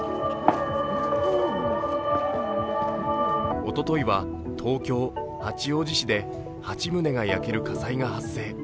おとといは、東京・八王子市で８棟が焼ける火災が発生。